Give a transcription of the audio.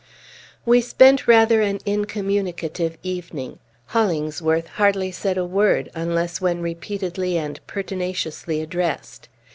We spent rather an incommunicative evening. Hollingsworth hardly said a word, unless when repeatedly and pertinaciously addressed.